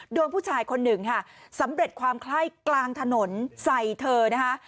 โดนผู้ชายคนหนึ่งค่ะสำเร็จความไข้กลางถนนใส่เธอนะคะ